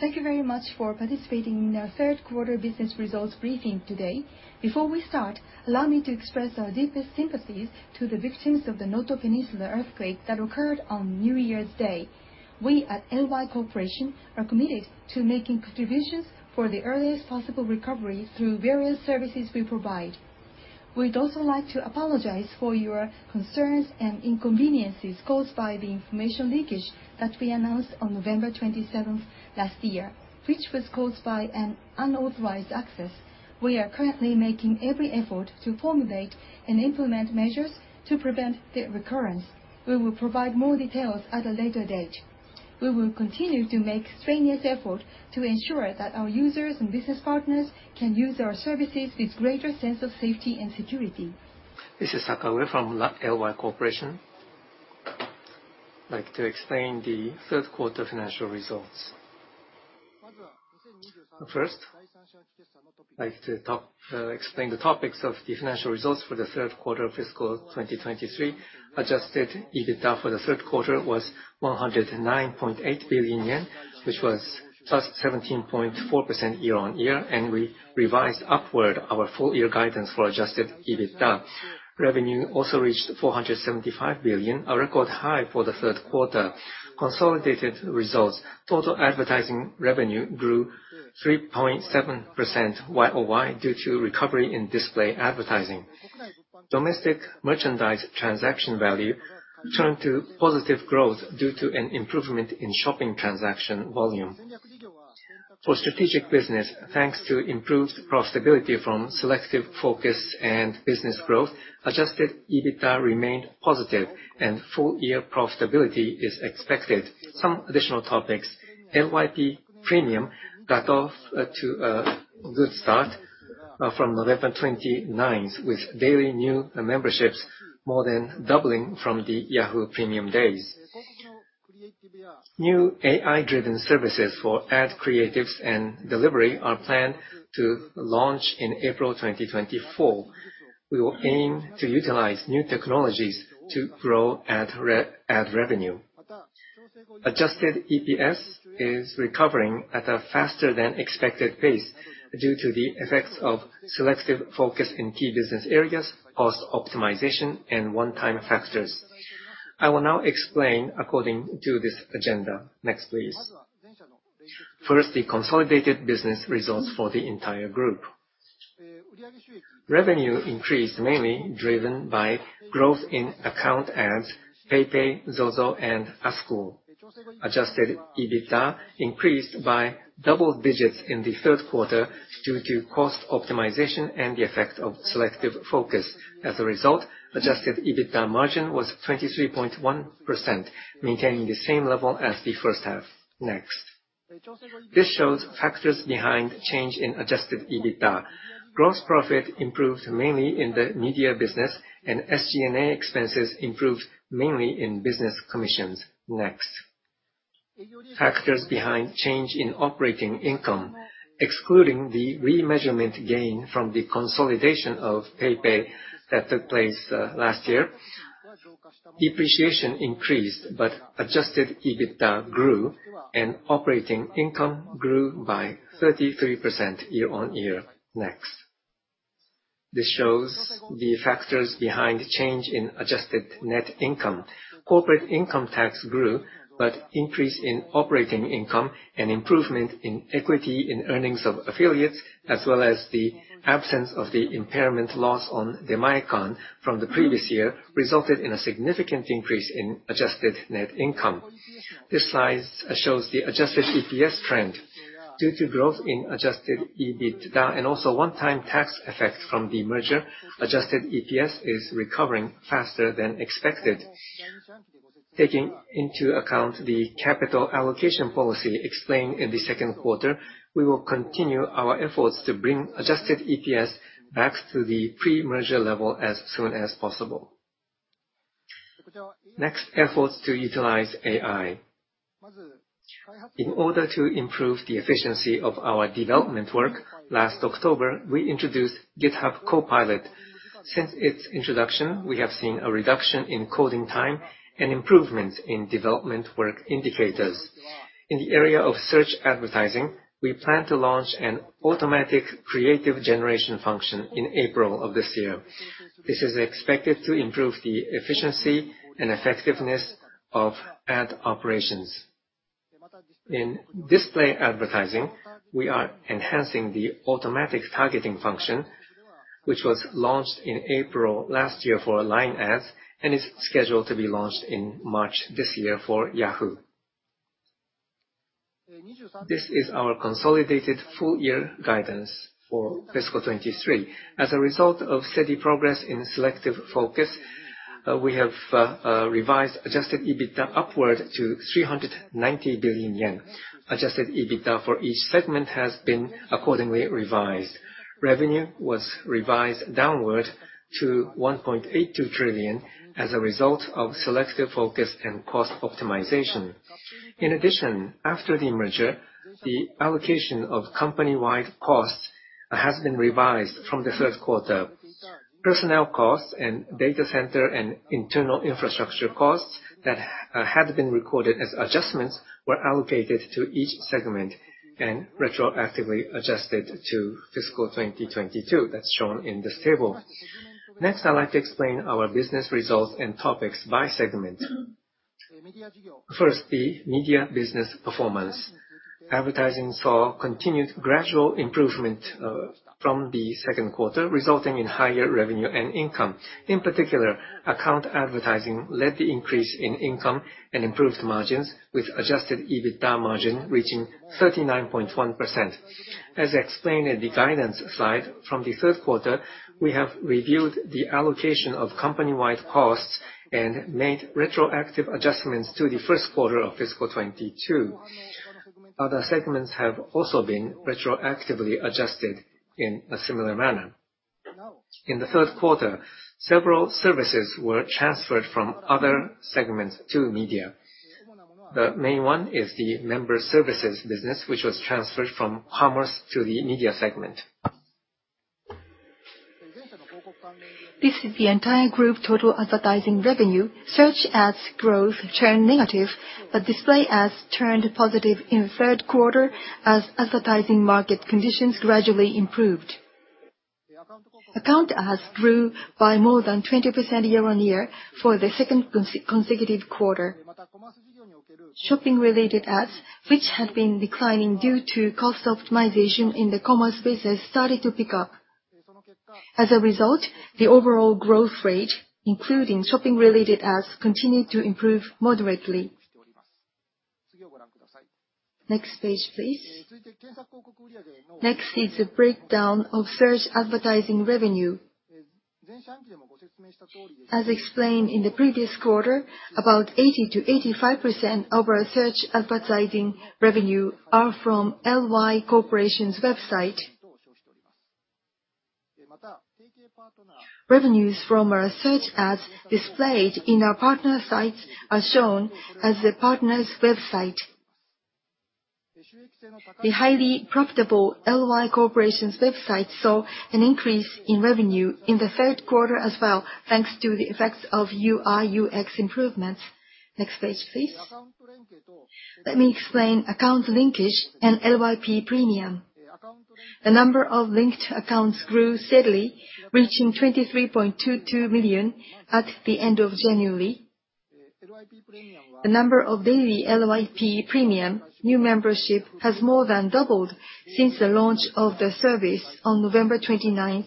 Thank you very much for participating in our third quarter business results briefing today. Before we start, allow me to express our deepest sympathies to the victims of the Noto Peninsula earthquake that occurred on New Year's Day. We at LY Corporation are committed to making contributions for the earliest possible recovery through various services we provide. We'd also like to apologize for your concerns and inconveniences caused by the information leakage that we announced on November 27th last year, which was caused by an unauthorized access. We are currently making every effort to formulate and implement measures to prevent the recurrence. We will provide more details at a later date. We will continue to make strenuous effort to ensure that our users and business partners can use our services with greater sense of safety and security. This is Sakaue from LY Corporation. I'd like to explain the third quarter financial results. But first, I'd like to talk, explain the topics of the financial results for the third quarter of fiscal 2023. Adjusted EBITDA for the third quarter was 109.8 billion yen, which was +17.4% year-on-year, and we revised upward our full-year guidance for Adjusted EBITDA. Revenue also reached 475 billion, a record high for the third quarter. Consolidated results, total advertising revenue grew 3.7% YoY due to recovery in display advertising. Domestic merchandise transaction value turned to positive growth due to an improvement in shopping transaction volume. For strategic business, thanks to improved profitability from selective focus and business growth, Adjusted EBITDA remained positive, and full-year profitability is expected. Some additional topics, LYP Premium got off to a good start from November twenty-ninth, with daily new memberships more than doubling from the Yahoo Premium days. New AI-driven services for ad creatives and delivery are planned to launch in April 2024. We will aim to utilize new technologies to grow ad revenue. Adjusted EPS is recovering at a faster than expected pace due to the effects of selective focus in key business areas, cost optimization, and one-time factors. I will now explain according to this agenda. Next, please. First, the consolidated business results for the entire group. Revenue increased, mainly driven by growth in account ads, PayPay, ZOZO, and ASKUL. Adjusted EBITDA increased by double digits in the third quarter due to cost optimization and the effect of selective focus. As a result, Adjusted EBITDA margin was 23.1%, maintaining the same level as the first half. Next. This shows factors behind change in Adjusted EBITDA. Gross profit improved mainly in the media business, and SG&A expenses improved mainly in business commissions. Next. Factors behind change in operating income. Excluding the remeasurement gain from the consolidation of PayPay that took place, last year, depreciation increased, but Adjusted EBITDA grew and operating income grew by 33% year-on-year. Next. This shows the factors behind change in adjusted net income. Corporate income tax grew, but increase in operating income and improvement in equity in earnings of affiliates, as well as the absence of the impairment loss on Demae-can from the previous year, resulted in a significant increase in adjusted net income. This slide shows the adjusted EPS trend. Due to growth in Adjusted EBITDA and also one-time tax effect from the merger, Adjusted EPS is recovering faster than expected. Taking into account the capital allocation policy explained in the second quarter, we will continue our efforts to bring Adjusted EPS back to the pre-merger level as soon as possible. Next, efforts to utilize AI. In order to improve the efficiency of our development work, last October, we introduced GitHub Copilot. Since its introduction, we have seen a reduction in coding time and improvement in development work indicators. In the area of search advertising, we plan to launch an automatic creative generation function in April of this year. This is expected to improve the efficiency and effectiveness of ad operations. In display advertising, we are enhancing the automatic targeting function, which was launched in April last year for LINE Ads and is scheduled to be launched in March this year for Yahoo. This is our consolidated full-year guidance for fiscal 2023. As a result of steady progress in selective focus, we have revised Adjusted EBITDA upward to 390 billion yen. Adjusted EBITDA for each segment has been accordingly revised. Revenue was revised downward to 1.82 trillion as a result of selective focus and cost optimization. In addition, after the merger, the allocation of company-wide costs has been revised from the third quarter.... Personnel costs and data center and internal infrastructure costs that had been recorded as adjustments were allocated to each segment, and retroactively adjusted to fiscal 2022. That's shown in this table. Next, I'd like to explain our business results and topics by segment. First, the media business performance. Advertising saw continued gradual improvement from the second quarter, resulting in higher revenue and income. In particular, account advertising led the increase in income and improved margins, with Adjusted EBITDA margin reaching 39.1%. As explained in the guidance slide, from the third quarter, we have reviewed the allocation of company-wide costs and made retroactive adjustments to the first quarter of fiscal 2022. Other segments have also been retroactively adjusted in a similar manner. In the third quarter, several services were transferred from other segments to media. The main one is the member services business, which was transferred from commerce to the media segment. This is the entire group total advertising revenue. Search ads growth turned negative, but display ads turned positive in the third quarter as advertising market conditions gradually improved. Account ads grew by more than 20% year-on-year for the second consecutive quarter. Shopping-related ads, which had been declining due to cost optimization in the commerce business, started to pick up. As a result, the overall growth rate, including shopping-related ads, continued to improve moderately. Next page, please. Next is a breakdown of search advertising revenue. As explained in the previous quarter, about 80%-85% of our search advertising revenue are from LY Corporation's website. Revenues from our search ads displayed in our partner sites are shown as the partner's website. The highly profitable LY Corporation's website saw an increase in revenue in the third quarter as well, thanks to the effects of UI/UX improvements. Next page, please. Let me explain account linkage and LYP Premium. The number of linked accounts grew steadily, reaching 23.22 million at the end of January. The number of daily LYP Premium new membership has more than doubled since the launch of the service on November 29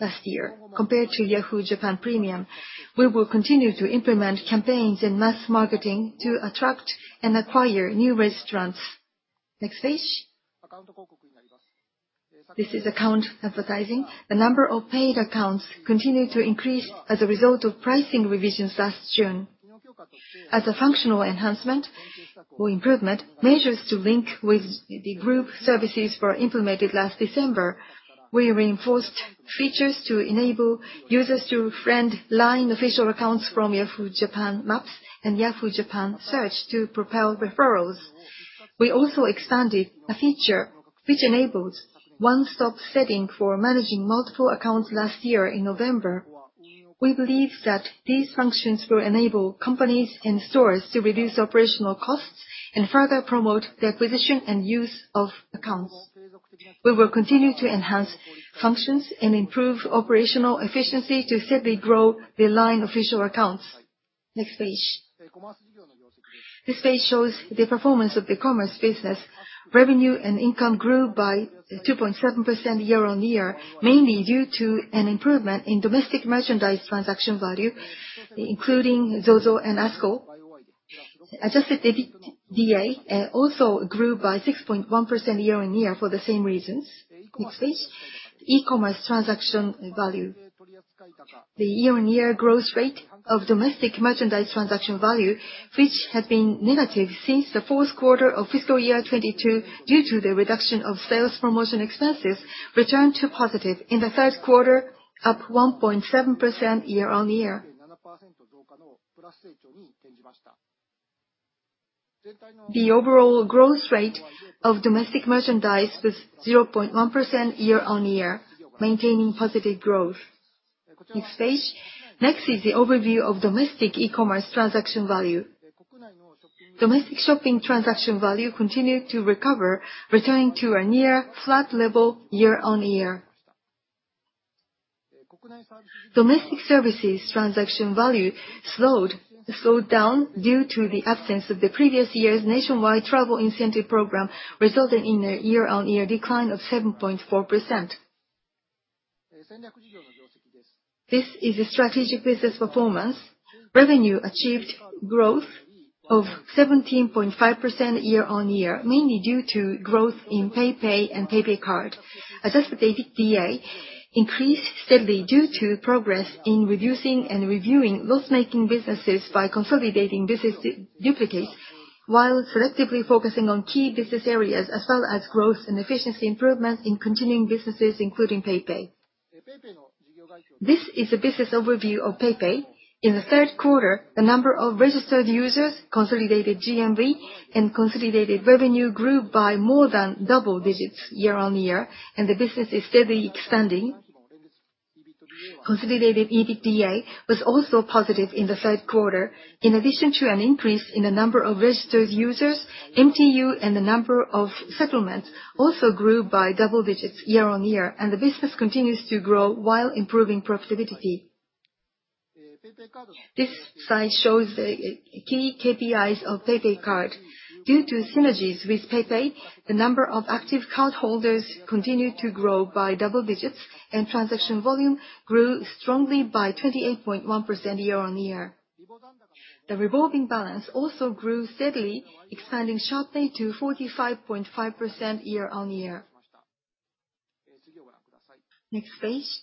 last year. Compared to Yahoo! Japan Premium, we will continue to implement campaigns and mass marketing to attract and acquire new registrants. Next page. This is account advertising. The number of paid accounts continued to increase as a result of pricing revisions last June. As a functional enhancement or improvement, measures to link with the group services were implemented last December. We reinforced features to enable users to friend LINE Official Accounts from Yahoo! Japan Maps and Yahoo! Japan Search to propel referrals. We also expanded a feature which enabled one-stop setting for managing multiple accounts last year in November. We believe that these functions will enable companies and stores to reduce operational costs and further promote the acquisition and use of accounts. We will continue to enhance functions and improve operational efficiency to steadily grow the LINE Official Accounts. Next page. This page shows the performance of the commerce business. Revenue and income grew by 2.7% year-on-year, mainly due to an improvement in domestic merchandise transaction value, including ZOZO and ASKO. Adjusted EBITDA also grew by 6.1% year-on-year for the same reasons. Next page. E-commerce transaction value. The year-on-year growth rate of domestic merchandise transaction value, which had been negative since the fourth quarter of fiscal year 2022, due to the reduction of sales promotion expenses, returned to positive in the third quarter, up 1.7% year-on-year. The overall growth rate of domestic merchandise was 0.1% year-on-year, maintaining positive growth. Next page. Next is the overview of domestic e-commerce transaction value. Domestic shopping transaction value continued to recover, returning to a near flat level year-on-year. Domestic services transaction value slowed down due to the absence of the previous year's nationwide travel incentive program, resulting in a year-on-year decline of 7.4%. This is a strategic business performance. Revenue achieved growth of 17.5% year-on-year, mainly due to growth in PayPay and PayPay Card. Adjusted EBITDA increased steadily due to progress in reducing and reviewing loss-making businesses by consolidating business duplicates, while selectively focusing on key business areas, as well as growth and efficiency improvement in continuing businesses, including PayPay. This is a business overview of PayPay. In the third quarter, the number of registered users, consolidated GMV, and consolidated revenue grew by more than double digits year-on-year, and the business is steadily expanding. Consolidated EBITDA was also positive in the third quarter. In addition to an increase in the number of registered users, MTU and the number of settlements also grew by double digits year-on-year, and the business continues to grow while improving profitability. This slide shows the key KPIs of PayPay Card. Due to synergies with PayPay, the number of active cardholders continued to grow by double digits, and transaction volume grew strongly by 28.1% year-on-year. The revolving balance also grew steadily, expanding sharply to 45.5% year-on-year. Next please.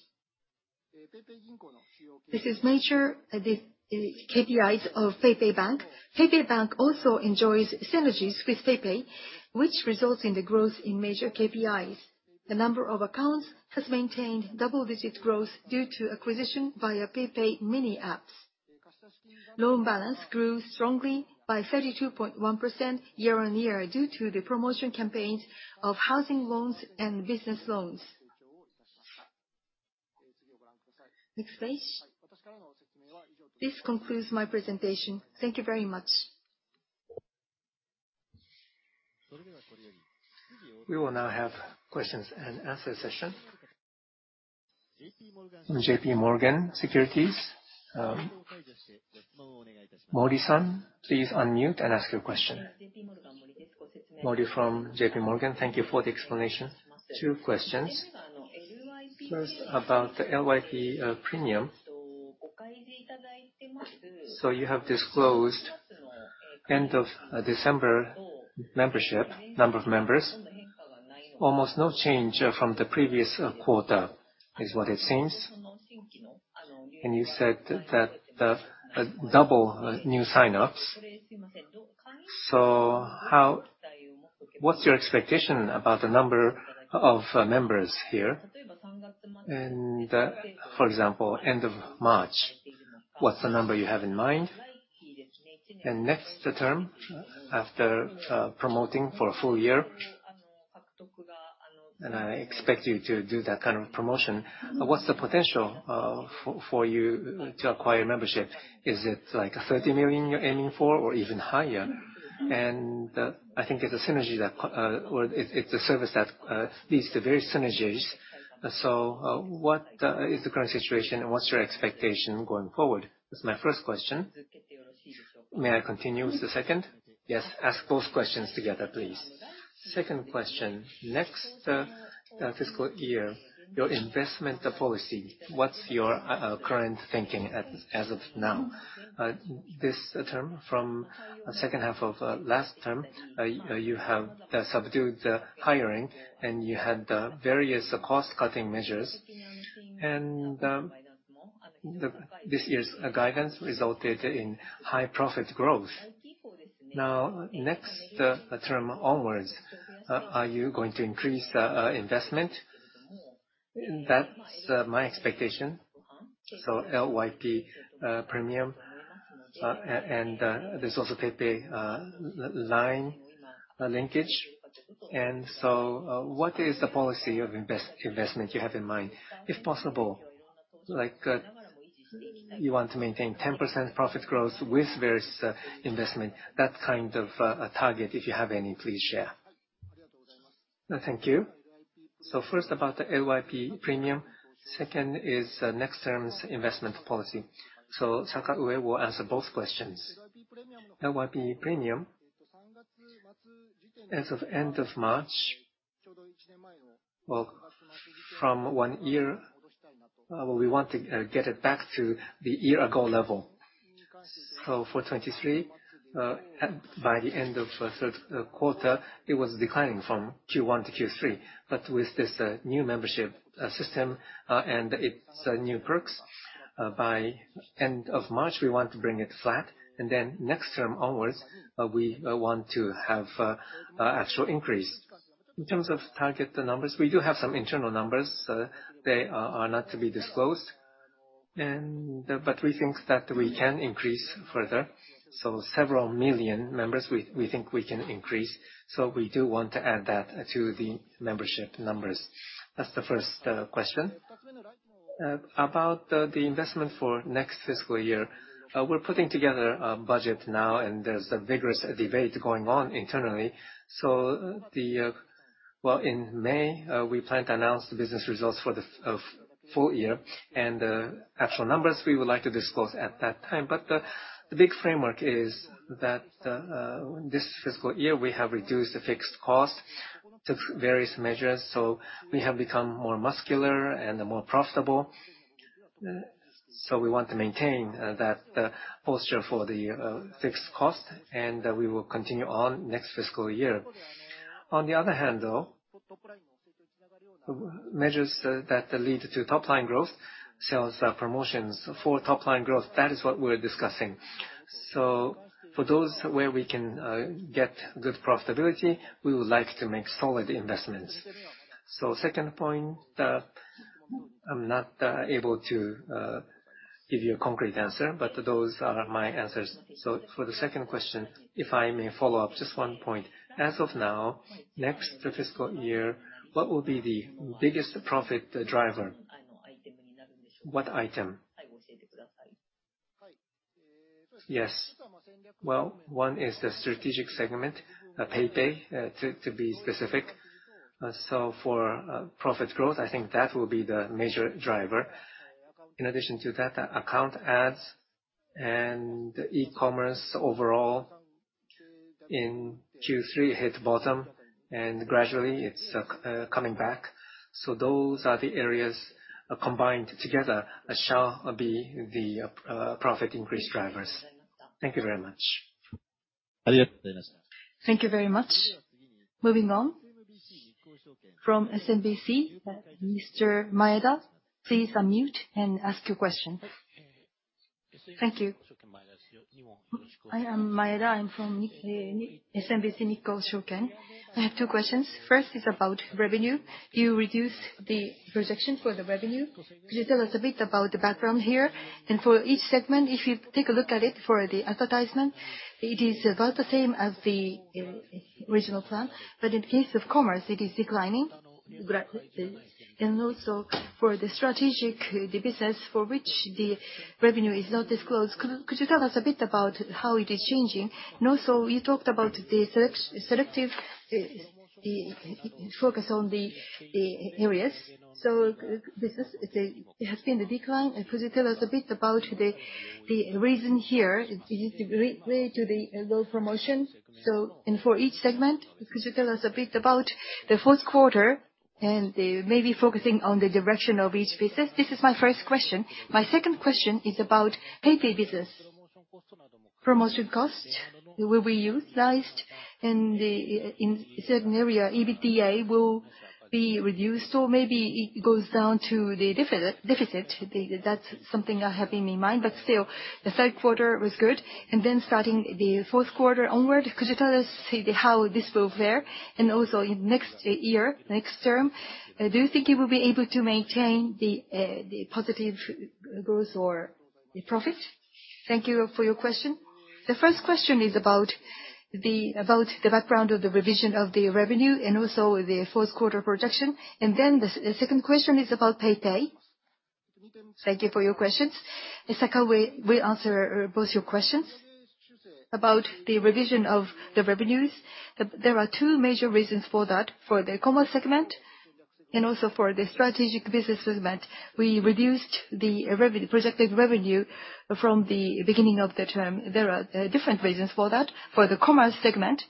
This is major, the KPIs of PayPay Bank. PayPay Bank also enjoys synergies with PayPay, which results in the growth in major KPIs. The number of accounts has maintained double-digit growth due to acquisition via PayPay Mini Apps. Loan balance grew strongly by 32.1% year-on-year, due to the promotion campaigns of housing loans and business loans. Next please. This concludes my presentation. Thank you very much. We will now have questions and answers session. JPMorgan Securities, Mori-san, please unmute and ask your question. Mori from J.P. Morgan. Thank you for the explanation. Two questions. First, about the LYP Premium. So you have disclosed end of December membership, number of members. Almost no change from the previous quarter, is what it seems. And you said that the double new sign-ups. So what's your expectation about the number of members here? And, for example, end of March, what's the number you have in mind? And next, the term after promoting for a full year, and I expect you to do that kind of promotion, what's the potential for, for you to acquire membership? Is it, like, 30 million you're aiming for, or even higher? I think it's a synergy that, or it, it's a service that leads to various synergies. So, what is the current situation, and what's your expectation going forward? That's my first question. May I continue with the second? Yes, ask both questions together, please. Second question. Next fiscal year, your investment policy, what's your current thinking as of now? This term, from the second half of last term, you have subdued the hiring, and you had various cost-cutting measures. This year's guidance resulted in high profit growth. Now, next term onwards, are you going to increase investment? That's my expectation. So LYP Premium, and there's also PayPay LINE linkage. What is the policy of investment you have in mind? If possible, like, you want to maintain 10% profit growth with various, investment, that kind of, target, if you have any, please share. Thank you. So first, about the LYP Premium. Second is, next term's investment policy. So Sakaue will answer both questions. LYP Premium, as of end of March, well, from one year, we want to get it back to the year-ago level. So for 2023, by the end of third quarter, it was declining from Q1 to Q3. But with this new membership system and its new perks, by end of March, we want to bring it flat. And then next term onwards, we want to have actual increase. In terms of target numbers, we do have some internal numbers. They are not to be disclosed, and... But we think that we can increase further. So several million members, we think we can increase. So we do want to add that to the membership numbers. That's the first question. About the investment for next fiscal year, we're putting together a budget now, and there's a vigorous debate going on internally. So the... Well, in May, we plan to announce the business results for the full year, and actual numbers we would like to disclose at that time. But the big framework is that, this fiscal year, we have reduced the fixed cost, took various measures, so we have become more muscular and more profitable. So we want to maintain that posture for the fixed cost, and we will continue on next fiscal year. On the other hand, though, measures that lead to top-line growth, sales promotions for top-line growth, that is what we're discussing. So for those where we can get good profitability, we would like to make solid investments. So second point, I'm not able to give you a concrete answer, but those are my answers. So for the second question, if I may follow up just one point. As of now, next fiscal year, what will be the biggest profit driver? What item? Yes. Well, one is the strategic segment, the PayPay, to be specific. So for profit growth, I think that will be the major driver. In addition to that, account ads and e-commerce overall in Q3 hit bottom, and gradually it's coming back. So those are the areas combined together, shall be the profit increase drivers. Thank you very much. Thank you very much. Moving on, from SMBC, Mr. Maeda, please unmute and ask your question. Thank you. I am Maeda, I'm from SMBC Nikko Securities. I have two questions. First is about revenue. You reduced the projection for the revenue. Could you tell us a bit about the background here? And for each segment, if you take a look at it, for the advertisement, it is about the same as the original plan, but in the case of commerce, it is declining. And also, for the strategic, the business for which the revenue is not disclosed, could you tell us a bit about how it is changing? And also, you talked about the selective, the focus on the areas. So business, it has been a decline, and could you tell us a bit about the reason here, it related to the low promotion? And for each segment, could you tell us a bit about the fourth quarter and maybe focusing on the direction of each business? This is my first question. My second question is about PayPay business. Promotion costs will be utilized, and in certain area, EBITDA will be reduced, or maybe it goes down to the deficit. That's something I have in mind, but still, the third quarter was good, and then starting the fourth quarter onward, could you tell us, say, how this will fare? And also in next year, next term, do you think you will be able to maintain the positive growth or profit? Thank you for your question. The first question is about the background of the revision of the revenue and also the fourth quarter projection. And then the second question is about PayPay. Thank you for your questions. It's like how we answer both your questions. About the revision of the revenues, there are two major reasons for that. For the commerce segment and also for the strategic business segment, we reduced the projected revenue from the beginning of the term. There are different reasons for that. For the commerce segment,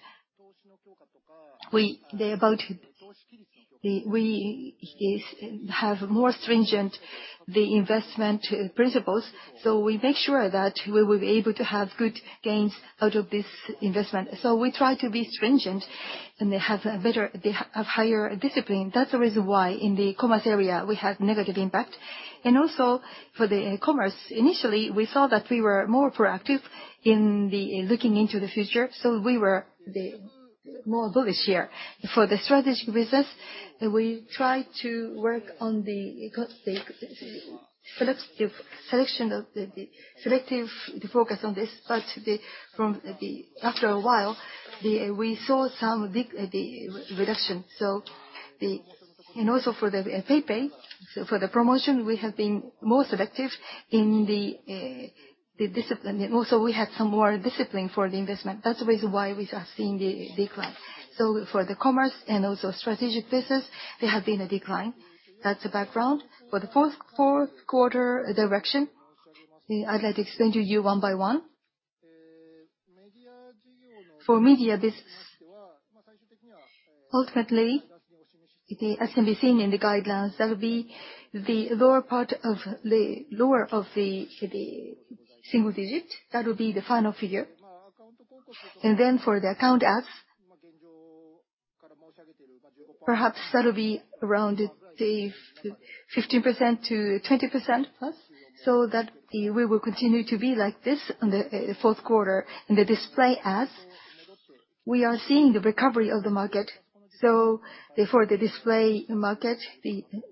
we have more stringent investment principles, so we make sure that we will be able to have good gains out of this investment. So we try to be stringent, and they have higher discipline. That's the reason why, in the commerce area, we have negative impact. And also, for the e-commerce, initially, we saw that we were more proactive in the looking into the future, so we were the more bullish here. For the strategic business, we try to work on the selective selection of the selective focus on this, but from after a while, we saw some big reduction. And also for the PayPay, so for the promotion, we have been more selective in the discipline. And also, we had some more discipline for the investment. That's the reason why we are seeing the decline. So for the commerce and also strategic business, there have been a decline. That's the background. For the fourth quarter direction, I'd like to explain to you one by one. For the media business, ultimately, it, as can be seen in the guidelines, that would be the lower part of the low single digit. That would be the final figure. And then for the account ads, perhaps that'll be around, say, 15%-20%+, so that we will continue to be like this in the fourth quarter. In the display ads, we are seeing the recovery of the market, so therefore, the display market,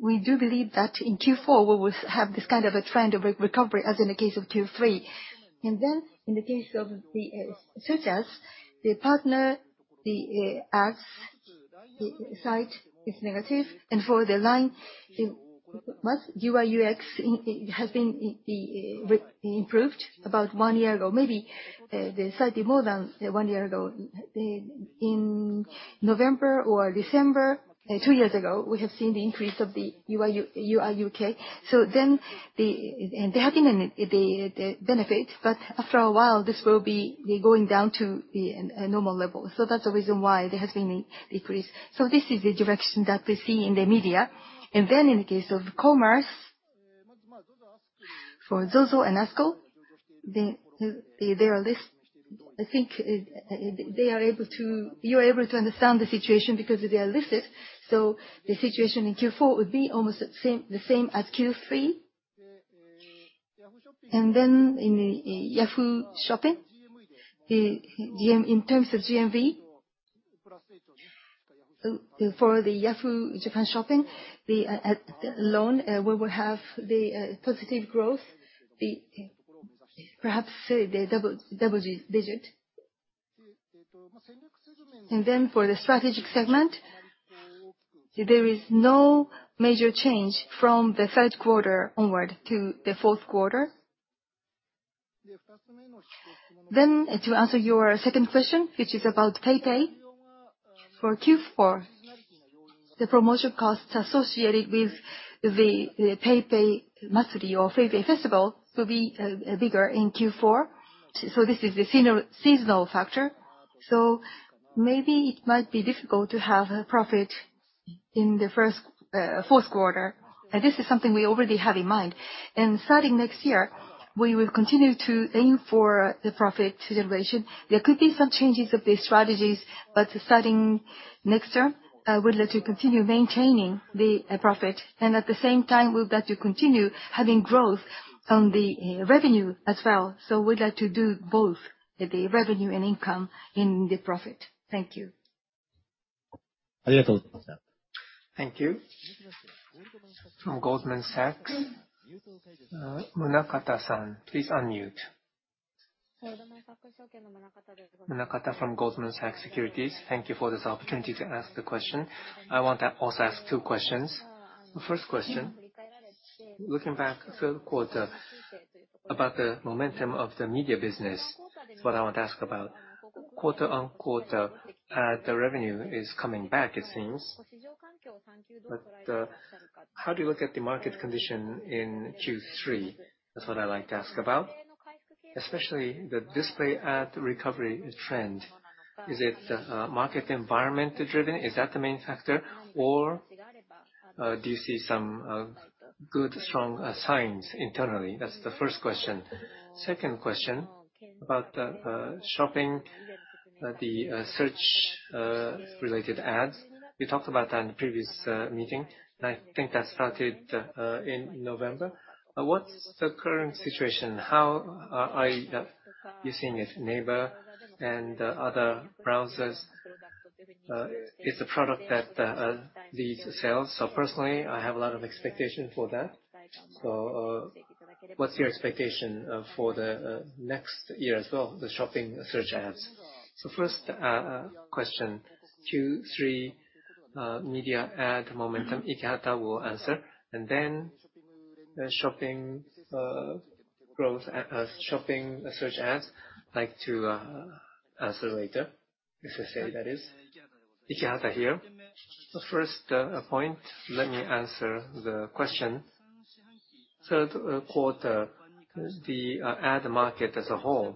we do believe that in Q4, we will have this kind of a trend of recovery, as in the case of Q3. And then, in the case of the such as the partner ads, the site is negative. And for LINE, its UI/UX, it has been improved about 1 year ago, maybe, slightly more than 1 year ago. In November or December 2 years ago, we have seen the increase of the UI/UX. So then, there have been the benefit, but after a while, this will be going down to the normal level. So that's the reason why there has been a decrease. So this is the direction that we see in the media. And then in the case of commerce, for ZOZO and ASKUL, they are listed. I think you are able to understand the situation because they are listed, so the situation in Q4 would be almost the same as Q3. And then in the Yahoo! Shopping, the GMV, in terms of GMV, so for the Yahoo! Japan Shopping, the at alone, we will have the positive growth, the, perhaps say the double, double digit. And then for the strategic segment, there is no major change from the third quarter onward to the fourth quarter. Then to answer your second question, which is about PayPay. For Q4, the promotion costs associated with the PayPay Matsuri or PayPay Festival, will be bigger in Q4. So this is the seasonal factor. So maybe it might be difficult to have a profit in the first, fourth quarter, and this is something we already have in mind. And starting next year, we will continue to aim for the profit generation. There could be some changes of the strategies, but starting next year, I would like to continue maintaining the profit, and at the same time, we would like to continue having growth on the revenue as well. So we'd like to do both, the revenue and income and the profit. Thank you. Thank you. From Goldman Sachs, Munakata-san, please unmute. Munakata from Goldman Sachs Securities. Thank you for this opportunity to ask the question. I want to also ask two questions. The first question, looking back third quarter, about the momentum of the media business, what I want to ask about, quarter-over-quarter, the revenue is coming back, it seems. But, how do you look at the market condition in Q3? That's what I'd like to ask about. Especially the display ad recovery trend. Is it, market environment-driven? Is that the main factor? Or, do you see some, good, strong, signs internally? That's the first question. Second question, about the shopping, the search related ads. You talked about that in the previous meeting, and I think that started in November. What's the current situation? How are you seeing it, NAVER and other browsers? It's a product that leads sales, so personally, I have a lot of expectation for that. So, what's your expectation for the next year as well, the shopping search ads? So first question, Q3 media ad momentum, Ikehata-san will answer. And then, the shopping growth, shopping search ads, like to answer later, if I say that is. Ikehata-san here. The first point, let me answer the question. Third quarter, the ad market as a whole,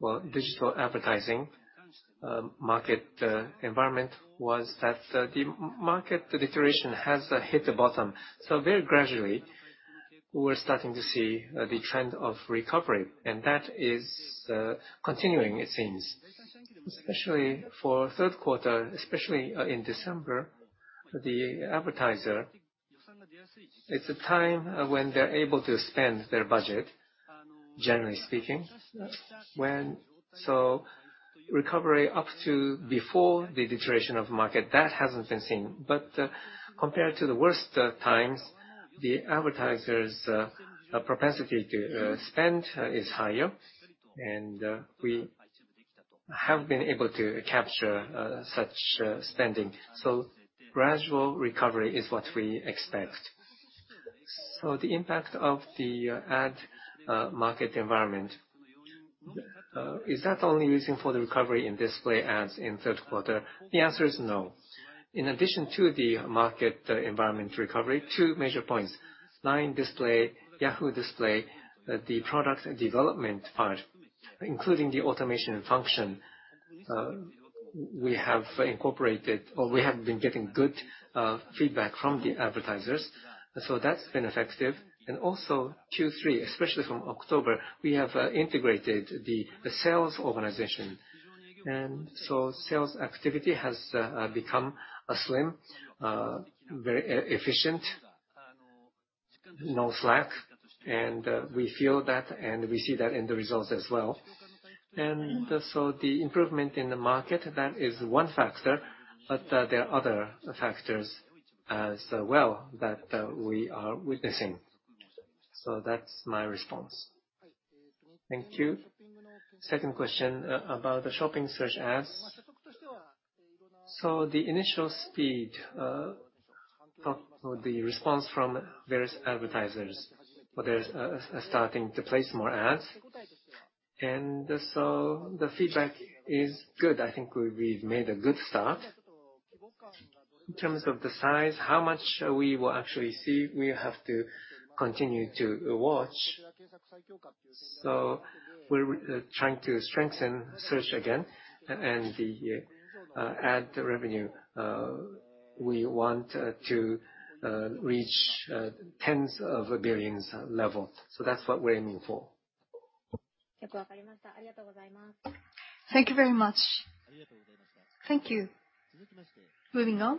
well, digital advertising market environment, was that the market deterioration has hit the bottom. So very gradually, we're starting to see the trend of recovery, and that is continuing, it seems. Especially for third quarter, especially in December, the advertiser, it's a time when they're able to spend their budget, generally speaking. When so recovery up to before the deterioration of market, that hasn't been seen. But compared to the worst times, the advertisers propensity to spend is higher, and we have been able to capture such spending. So gradual recovery is what we expect. So the impact of the ad market environment is that only reason for the recovery in display ads in third quarter? The answer is no. In addition to the market environment recovery, two major points: LINE display, Yahoo! display, the product development part, including the automation and function we have incorporated, or we have been getting good feedback from the advertisers, so that's been effective. And also, Q3, especially from October, we have integrated the sales organization. And so sales activity has become slim, very efficient, no slack, and we feel that, and we see that in the results as well. And so the improvement in the market, that is one factor, but there are other factors as well that we are witnessing. So that's my response. Thank you. Second question, about the shopping search ads. So the initial speed of the response from various advertisers, well, there's starting to place more ads. And so the feedback is good. I think we've made a good start. In terms of the size, how much we will actually see, we have to continue to watch. So we're trying to strengthen search again, and the ad revenue we want to reach tens of billions level. So that's what we're aiming for.... Thank you very much. Thank you. Moving on,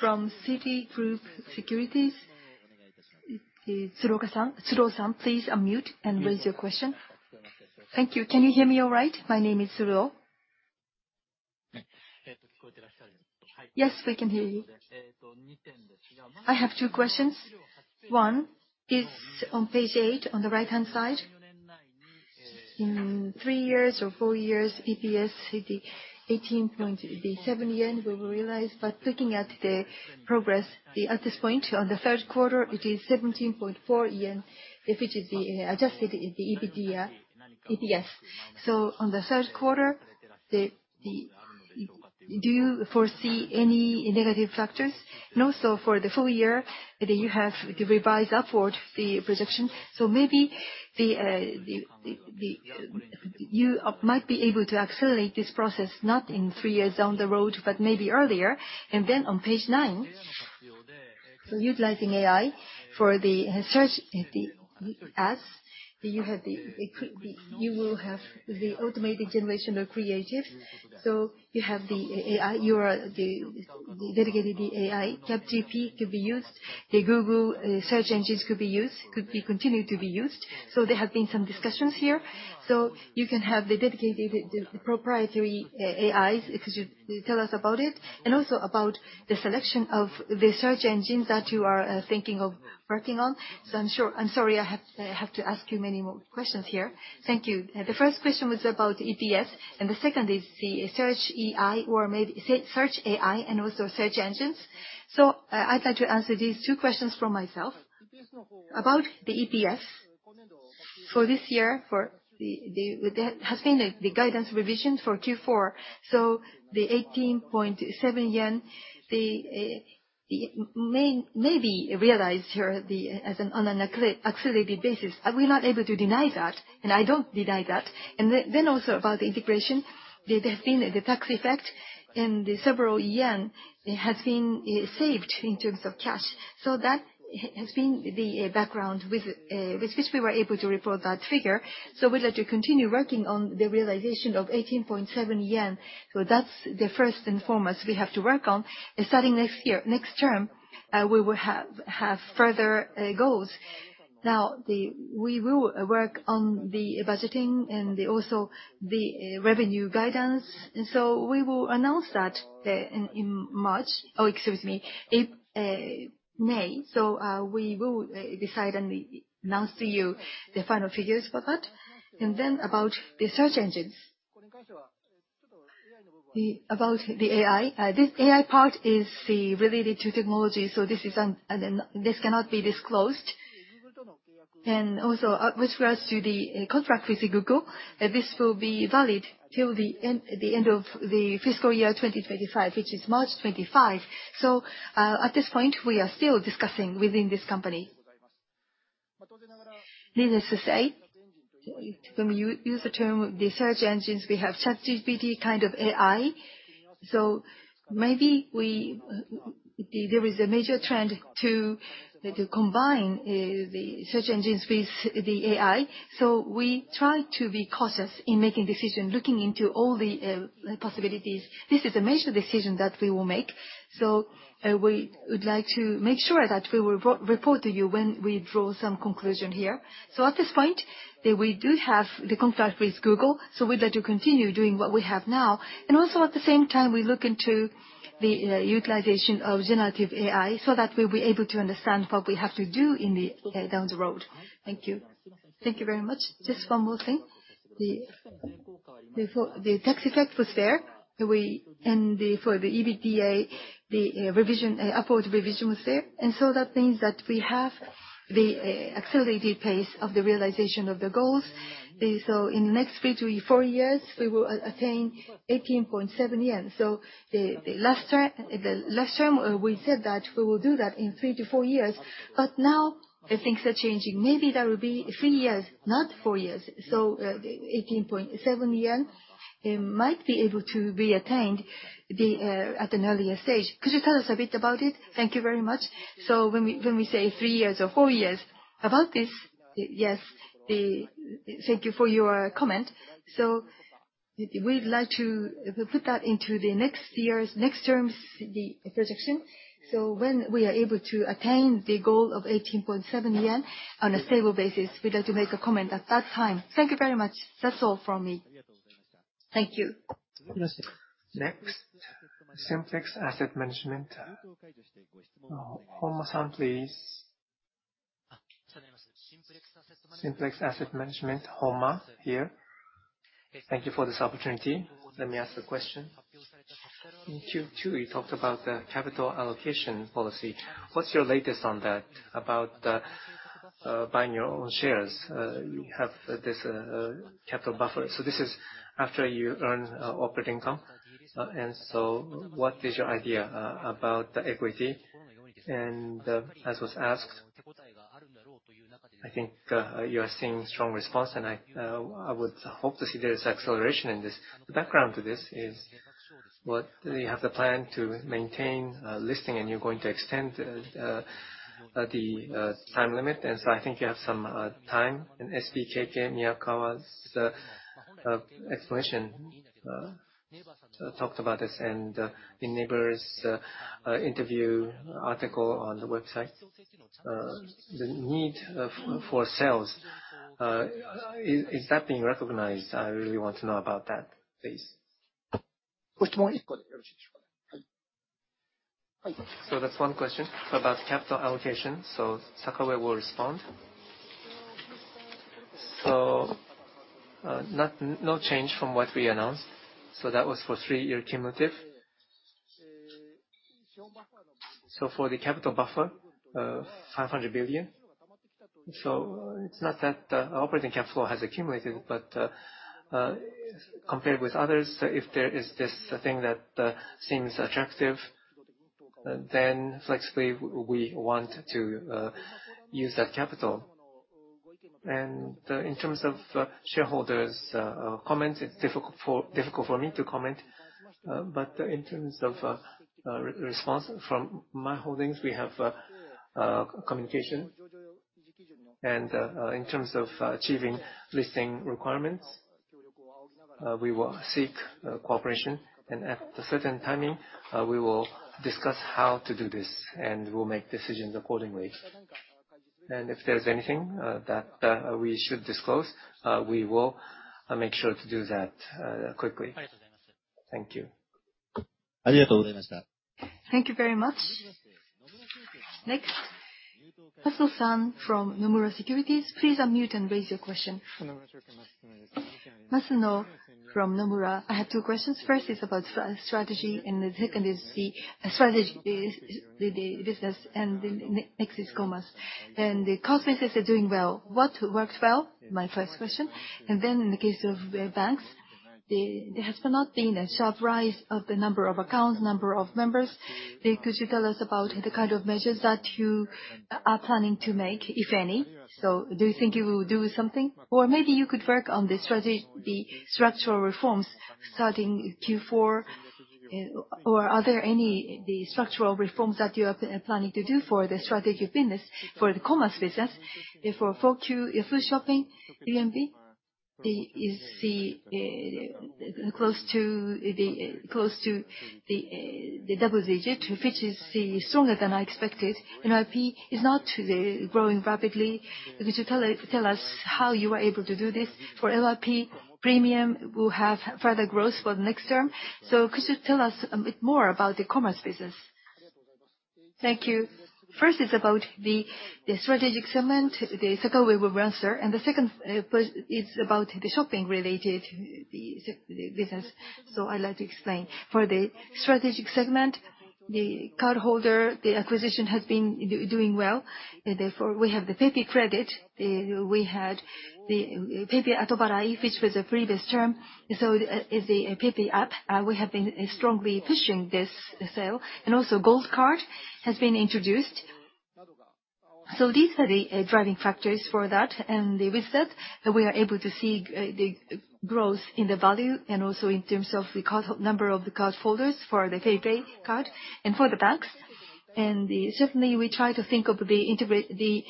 from Citigroup Securities, it is Tsuru-san, please unmute and raise your question. Thank you. Can you hear me all right? My name is Tsuru. Yes, we can hear you. I have two questions. One is on page eight, on the right-hand side. In three years or four years, EPS will be 18.7 yen will be realized, but looking at the progress, the, at this point on the third quarter, it is 17.4 yen, if it is the, adjusted, the EBITDA, EPS. So on the third quarter, the, the, do you foresee any negative factors? And also, for the full year, that you have to revise upward the projection. So maybe the, the, the, the, you, might be able to accelerate this process, not in three years down the road, but maybe earlier. And then on page nine, so utilizing AI for the search, the ads, you have the, it could be, you will have the automated generation of creative. So you have the AI, you are the, dedicated the AI, ChatGPT could be used, the Google, search engines could be used, could be continued to be used. So there have been some discussions here. So you can have the dedicated, the proprietary AIs, could you tell us about it, and also about the selection of the search engine that you are, thinking of working on? So I'm sure—I'm sorry, I have, I have to ask you many more questions here. Thank you. The first question was about EPS, and the second is the search AI or maybe, search AI and also search engines. So, I—I'd like to answer these two questions from myself. About the EPS, for this year, there has been a guidance revision for Q4, so the JPY 18.7 may be realized here on an accelerated basis. Are we not able to deny that? And I don't deny that. And then also about the integration, there has been the tax effect, and several Yen has been saved in terms of cash. So that has been the background with which we were able to report that figure. So we'd like to continue working on the realization of 18.7 yen. So that's the first and foremost we have to work on. Starting next year, next term, we will have further goals. Now, we will work on the budgeting and also the revenue guidance, and so we will announce that in May. Oh, excuse me, May. So, we will decide and announce to you the final figures for that. And then, about the search engines. About the AI, this AI part is related to technology, so this cannot be disclosed. And also, with regards to the contract with Google, this will be valid till the end of the fiscal year 2025, which is March 2025. So, at this point, we are still discussing within this company. Needless to say, when you use the term the search engines, we have ChatGPT kind of AI. So maybe we, there is a major trend to combine the search engines with the AI. So we try to be cautious in making decision, looking into all the possibilities. This is a major decision that we will make, so we would like to make sure that we will report to you when we draw some conclusion here. So at this point, we do have the contract with Google, so we'd like to continue doing what we have now. And also, at the same time, we look into the utilization of generative AI, so that we'll be able to understand what we have to do in the down the road. Thank you. Thank you very much. Just one more thing. The tax effect was there, we... For the EBITDA, the revision, upward revision was there, and so that means that we have the accelerated pace of the realization of the goals. So in the next three to four years, we will attain 18.7 yen. So the last time, the last time, we said that we will do that in three to four years, but now, the things are changing. Maybe that will be three years, not four years. So, 18.7 might be able to be attained at an earlier stage. Could you tell us a bit about it? Thank you very much. So when we say three years or four years, about this, yes. Thank you for your comment. So we'd like to put that into the next year's, next term's, the projection. When we are able to attain the goal of 18.7 yen on a stable basis, we'd like to make a comment at that time. Thank you very much. That's all from me. Thank you. Next, Simplex Asset Management. Homma-san, please. Simplex Asset Management, Homma here. Thank you for this opportunity. Let me ask the question. In Q2, you talked about the capital allocation policy. What's your latest on that, about buying your own shares? You have this capital buffer, so this is after you earn operating income. And so what is your idea about the equity? And as was asked, I think you are seeing strong response, and I would hope to see there is acceleration in this. The background to this is, what, you have the plan to maintain listing, and you're going to extend... The time limit, and so I think you have some time, and SBKK Miyakawa's explanation talked about this, and in NAVER's interview article on the website. The need for sales, is that being recognized? I really want to know about that, please. That's one question about capital allocation, so Sakaue will respond. So, no change from what we announced, so that was for three-year cumulative. So for the capital buffer, 500 billion. So it's not that the operating capital flow has accumulated, but compared with others, if there is this thing that seems attractive, then flexibly, we want to use that capital. And in terms of shareholders comments, it's difficult for me to comment. But in terms of response from my holdings, we have communication. And in terms of achieving listing requirements, we will seek cooperation, and at a certain timing, we will discuss how to do this, and we'll make decisions accordingly. And if there is anything that we should disclose, we will make sure to do that quickly. Thank you. Thank you very much. Next, Masuno-san from Nomura Securities. Please unmute and raise your question. Masuno from Nomura. I have two questions. First is about strategy, and the second is the strategy, is the business and the next is commerce. And the commerce businesses are doing well. What worked well? My first question. And then in the case of banks, there has not been a sharp rise of the number of accounts, number of members. Could you tell us about the kind of measures that you are planning to make, if any? So do you think you will do something? Or maybe you could work on the strategy, the structural reforms starting Q4, or are there any, the structural reforms that you are planning to do for the strategic business, for the commerce business? If for 4Q, shopping GMV is close to the double digit, which is stronger than I expected, and IP is not today growing rapidly. Could you tell us how you were able to do this? For LYP Premium, will have further growth for the next term. So could you tell us a bit more about the commerce business? Thank you. First is about the strategic segment. The second we will answer, and the second part is about the shopping-related business. So I'd like to explain. For the strategic segment, cardholder acquisition has been doing well, and therefore, we have PayPay Credit. We had PayPay Atobarai, which was the previous term, so is the PayPay app, and we have been strongly pushing this sale. And also Gold Card has been introduced. So these are the driving factors for that, and with that, we are able to see the growth in the value and also in terms of the number of cardholders for the PayPay card and for the banks. And certainly, we try to think of the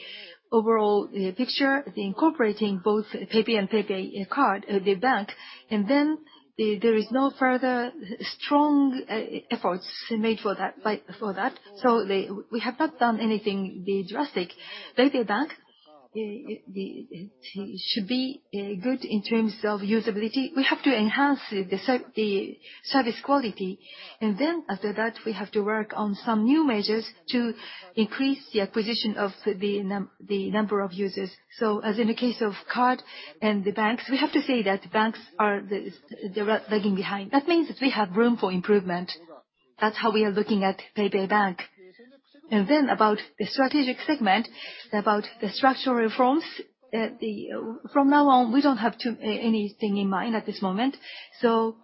overall picture, incorporating both PayPay and PayPay Card, the bank, and then there is no further strong efforts made for that, by for that. So we have not done anything drastic. PayPay Bank should be good in terms of usability. We have to enhance the service quality, and then after that, we have to work on some new measures to increase the acquisition of the number of users. So as in the case of card and the banks, we have to say that banks are the, they're lagging behind. That means we have room for improvement. That's how we are looking at PayPay Bank. And then about the strategic segment, about the structural reforms, the... From now on, we don't have anything in mind at this moment. So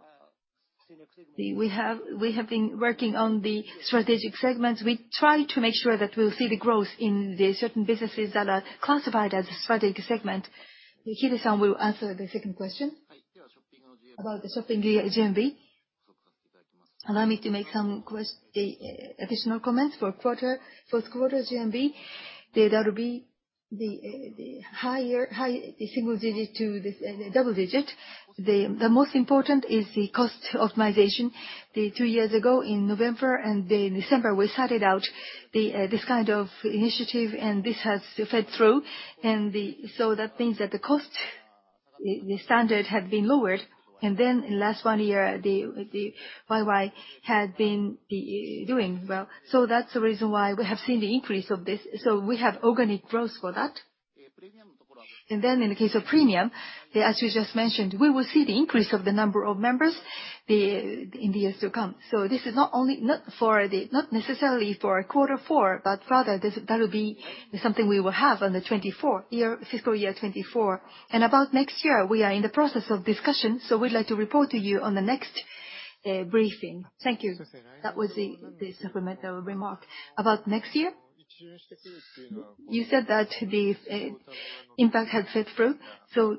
we have been working on the strategic segments. We try to make sure that we'll see the growth in the certain businesses that are classified as strategic segment. Hide-san will answer the second question. About the shopping GMV, allow me to make some additional comments. For fourth quarter GMV, that'll be the high single digit to the double digit. The most important is the cost optimization. Two years ago, in November and December, we started out the this kind of initiative, and this has fed through. So that means that the cost, the standard had been lowered, and then in last one year, the YoY had been doing well. So that's the reason why we have seen the increase of this. So we have organic growth for that. And then in the case of premium, as you just mentioned, we will see the increase of the number of members, in the years to come. So this is not necessarily for quarter four, but rather, this, that'll be something we will have on the 2024 year, fiscal year 2024. About next year, we are in the process of discussion, so we'd like to report to you on the next- ...A briefing. Thank you. That was the supplemental remark. About next year, you said that the impact had fed through, so,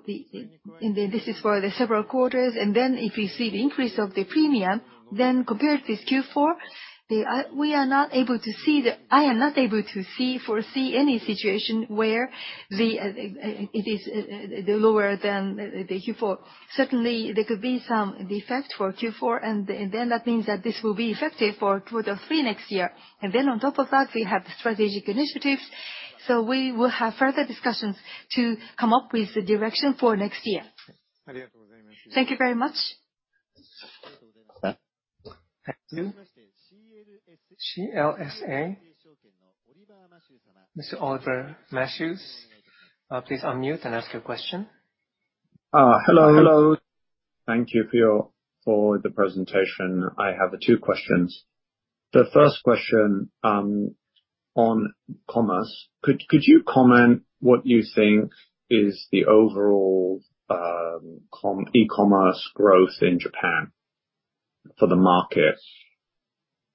and then this is for several quarters, and then if you see the increase of the premium, then compared with Q4, we are not able to see—I am not able to see, foresee any situation where it is lower than the Q4. Certainly, there could be some defect for Q4, and then that means that this will be effective for quarter three next year. And then on top of that, we have strategic initiatives. So we will have further discussions to come up with the direction for next year. Thank you very much. Thank you. CLSA, Mr. Oliver Matthew, please unmute and ask your question. Hello, hello. Thank you for the presentation. I have two questions. The first question, on commerce: Could you comment what you think is the overall, e-commerce growth in Japan for the market?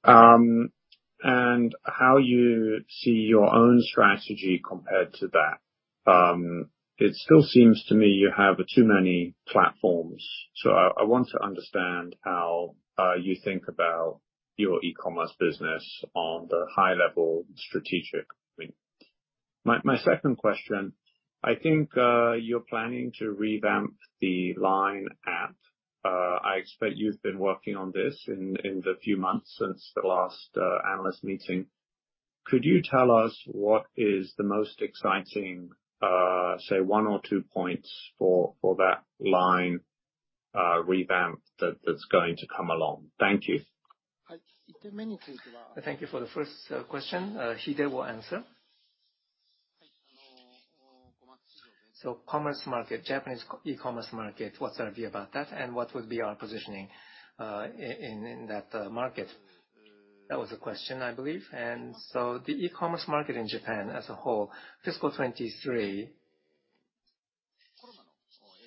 And how you see your own strategy compared to that? It still seems to me you have too many platforms, so I want to understand how, you think about your e-commerce business on the high-level strategic link. My second question, I think, you're planning to revamp the LINE app. I expect you've been working on this in the few months since the last, analyst meeting. Could you tell us what is the most exciting, say, one or two points for that LINE, revamp, that's going to come along? Thank you. Thank you for the first question. Hide will answer. So commerce market, Japanese e-commerce market, what's our view about that, and what would be our positioning in that market? That was the question, I believe. And so the e-commerce market in Japan as a whole, fiscal 2023,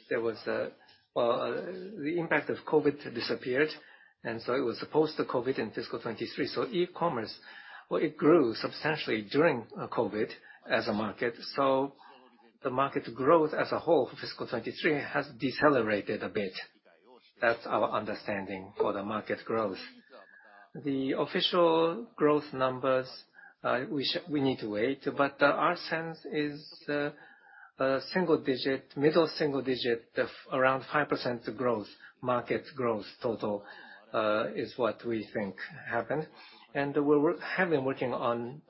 there was a. The impact of COVID disappeared, and so it was post-COVID in fiscal 2023. So e-commerce, well, it grew substantially during COVID as a market, so the market growth as a whole for fiscal 2023 has decelerated a bit. That's our understanding for the market growth. The official growth numbers, we need to wait, but our sense is a single digit, middle single digit of around 5% growth, market growth total is what we think happened. And we have been working on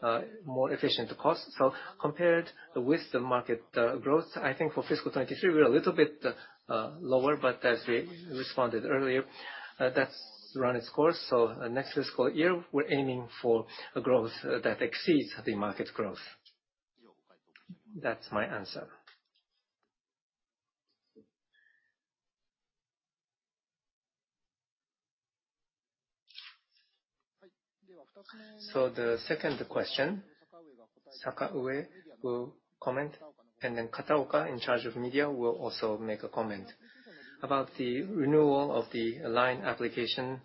more efficient costs. So compared with the market growth, I think for fiscal 2023, we're a little bit lower, but as we responded earlier, that's run its course. So next fiscal year, we're aiming for a growth that exceeds the market's growth. That's my answer. So the second question, Sakaue will comment, and then Kataoka, in charge of media, will also make a comment. About the renewal of the LINE application,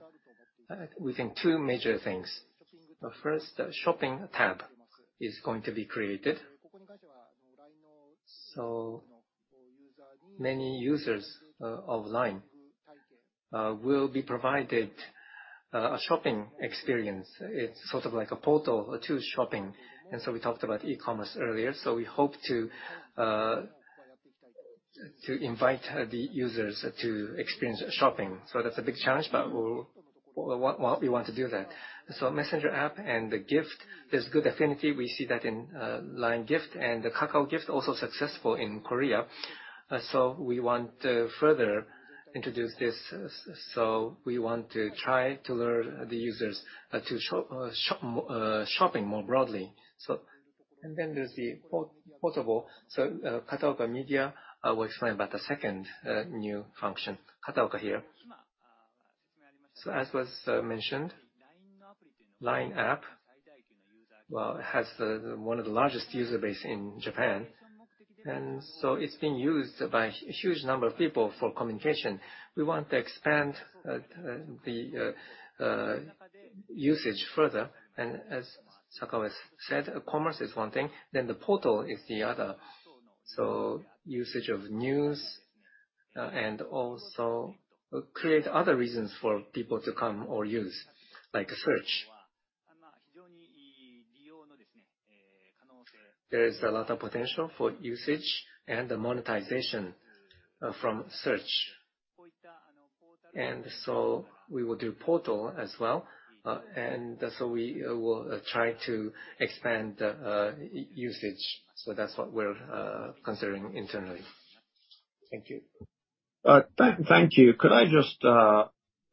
we think two major things. The first, a shopping tab is going to be created. So many users of LINE will be provided a shopping experience. It's sort of like a portal to shopping. And so we talked about e-commerce earlier, so we hope to invite the users to experience shopping. So that's a big challenge, but we'll want to do that. So messenger app and the gift, there's good affinity. We see that in LINE Gift and the Kakao Gift, also successful in Korea. So we want to further introduce this, so we want to try to lure the users to shop shopping more broadly. So... And then there's the portable. So, Kataoka Media will explain about the second new function. Kataoka here. So as was mentioned, LINE app, well, it has one of the largest user base in Japan, and so it's being used by a huge number of people for communication. We want to expand the usage further. And as Sakaue said, commerce is one thing, then the portal is the other. So usage of news and also create other reasons for people to come or use, like search. There is a lot of potential for usage and the monetization from search. And so we will do portal as well, and so we will try to expand usage. So that's what we're considering internally. Thank you. Thank you. Could I just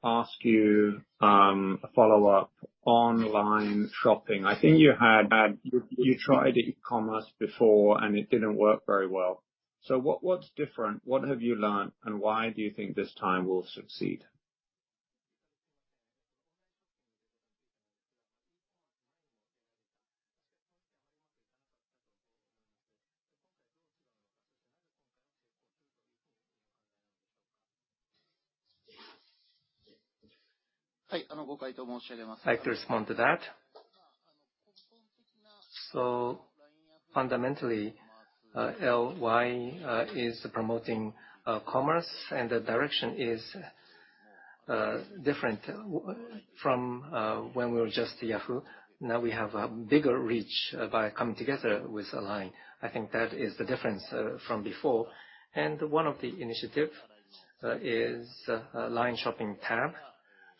ask you a follow-up on LINE Shopping? I think you tried e-commerce before, and it didn't work very well. So what's different? What have you learned, and why do you think this time will succeed? ...I'd like to respond to that. So fundamentally, LY is promoting commerce, and the direction is different from when we were just Yahoo! Now we have a bigger reach by coming together with LINE. I think that is the difference from before. And one of the initiatives is LINE Shopping tab.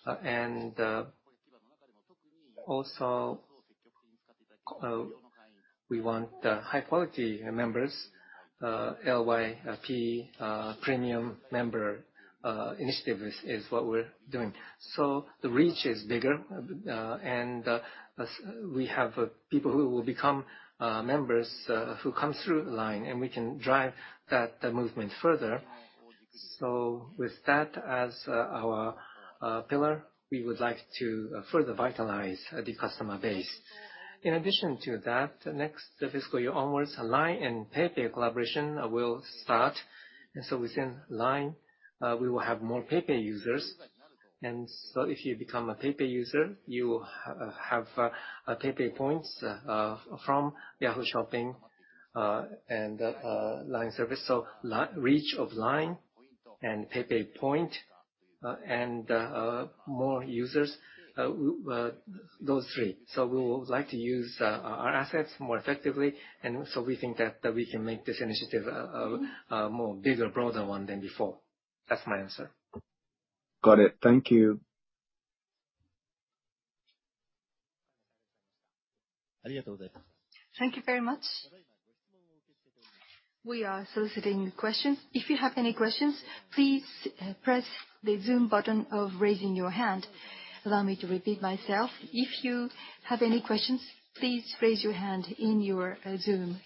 And also, we want high-quality members, LYP Premium member initiatives is what we're doing. So the reach is bigger, and as we have people who will become members who come through LINE, and we can drive that movement further. So with that as our pillar, we would like to further vitalize the customer base. In addition to that, next fiscal year onwards, LINE and PayPay collaboration will start. And so within LINE, we will have more PayPay users. And so if you become a PayPay user, you will have PayPay points from Yahoo! Shopping and LINE service. So LINE reach of LINE and PayPay point and more users with those three. So we would like to use our assets more effectively, and so we think that we can make this initiative a more bigger, broader one than before. That's my answer. Got it. Thank you. Thank you very much. We are soliciting questions. If you have any questions, please press the Zoom button of raising your hand. Allow me to repeat myself. If you have any questions, please raise your hand in your Zoom.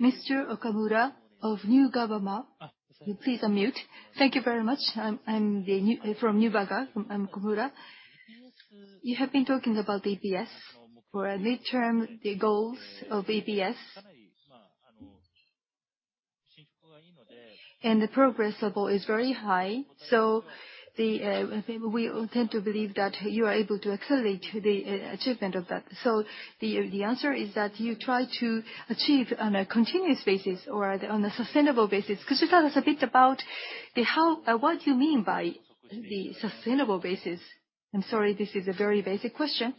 Mr. Okamura of Neuberger Berman, please unmute. Thank you very much. I'm, I'm the new—from Neuberger. I'm Okamura. You have been talking about EPS for a midterm, the goals of EPS. And the progress level is very high, so we tend to believe that you are able to accelerate the achievement of that. So the answer is that you try to achieve on a continuous basis or on a sustainable basis. Could you tell us a bit about the how—what you mean by the sustainable basis? I'm sorry, this is a very basic question.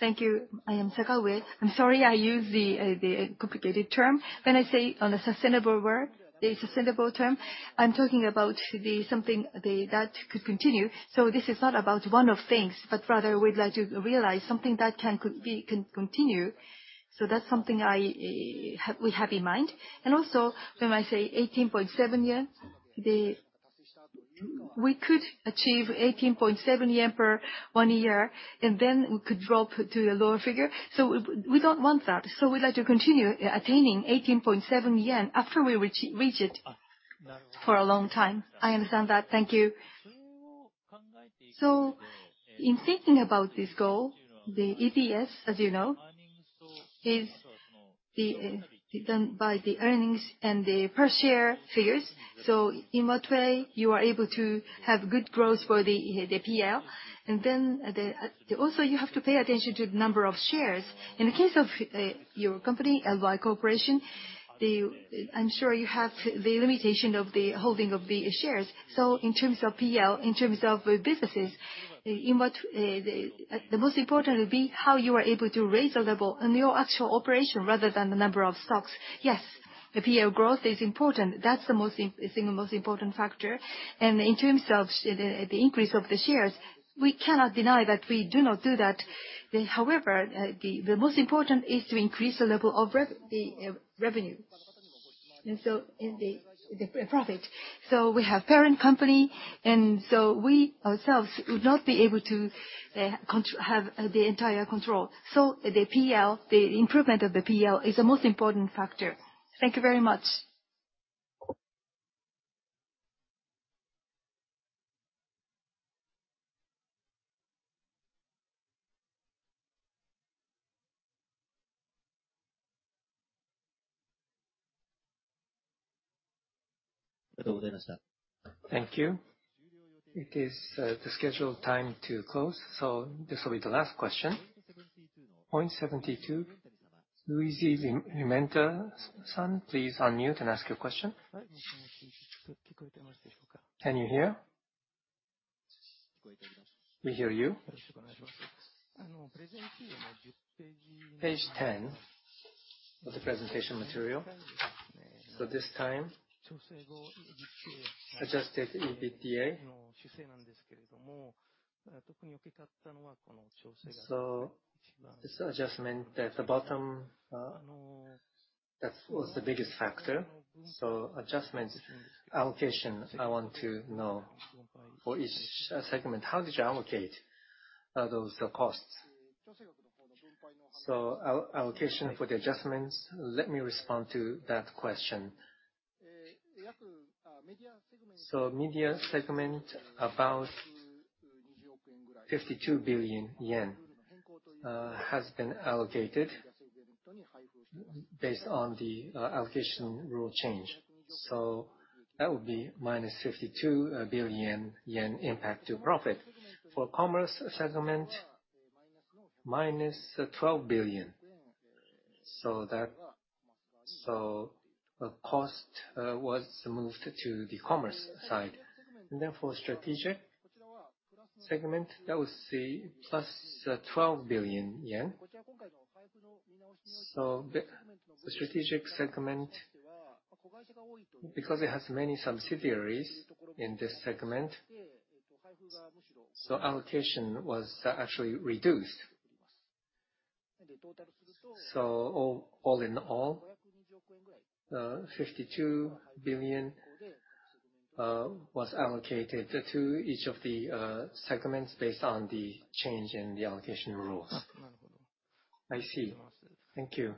Thank you. I am Sakaue. I'm sorry, I used the, the complicated term. When I say on a sustainable word, the sustainable term, I'm talking about something that could continue. So this is not about one-off things, but rather we'd like to realize something that can continue. So that's something we have in mind. And also, when I say 18.7 yen, we could achieve 18.7 yen per one year, and then we could drop to a lower figure. So we don't want that, so we'd like to continue attaining 18.7 yen after we reach it for a long time. I understand that. Thank you. So in thinking about this goal, the EPS, as you know, is done by the earnings and the per-share figures. So in what way you are able to have good growth for the PL, and then also, you have to pay attention to the number of shares. In the case of your company, LY Corporation, I'm sure you have the limitation of the holding of the shares. So in terms of PL, in terms of businesses, in what the most important would be how you are able to raise the level on your actual operation rather than the number of stocks. Yes, the PL growth is important. That's the single most important factor. And in terms of the increase of the shares, we cannot deny that we do not do that. However, the most important is to increase the level of the revenue, and so the profit. We have parent company, and so we ourselves would not be able to have the entire control. The PL, the improvement of the PL is the most important factor. Thank you very much. Thank you. It is the scheduled time to close, so this will be the last question. Point72, Luigi Limentani-san, please unmute and ask your question. Can you hear? We hear you. Page 10 of the presentation material. So this time, Adjusted EBITDA. So this adjustment at the bottom, that was the biggest factor. So adjustment allocation, I want to know for each segment, how did you allocate those costs? So allocation for the adjustments, let me respond to that question. So media segment, about 52 billion yen has been allocated based on the allocation rule change. So that would be minus 52 billion yen impact to profit. For commerce segment, minus 12 billion. So that, so the cost was moved to the commerce side. And then for strategic segment, that was the JPY +12 billion. So the strategic segment, because it has many subsidiaries in this segment, so allocation was actually reduced. So all in all, 52 billion was allocated to each of the segments based on the change in the allocation rules. I see. Thank you.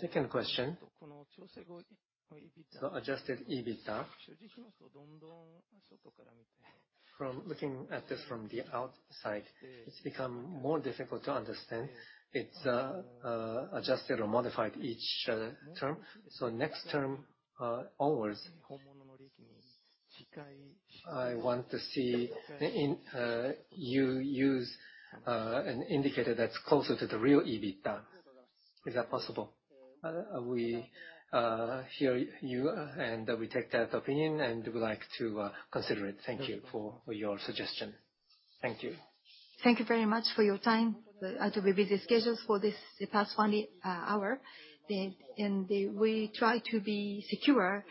Second question, the Adjusted EBITDA. From looking at this from the outside, it's become more difficult to understand. It's adjusted or modified each term. So next term onwards, I want to see the in you use an indicator that's closer to the real EBITDA. Is that possible? We hear you, and we take that opinion, and we would like to consider it. Thank you for your suggestion. Thank you. Thank you very much for your time and your busy schedules for this, the past one hour. And we try to be secure,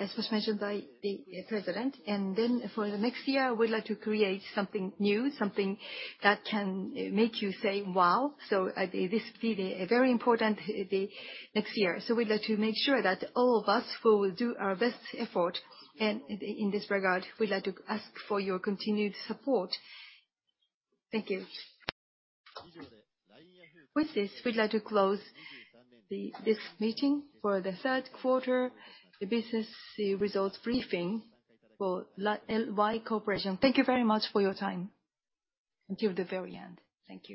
as was mentioned by the president. And then for the next year, we'd like to create something new, something that can make you say, "Wow!" So, this be a very important day next year. So we'd like to make sure that all of us will do our best effort. And in this regard, we'd like to ask for your continued support. Thank you. With this, we'd like to close this meeting for the third quarter business results briefing for LY Corporation. Thank you very much for your time until the very end. Thank you.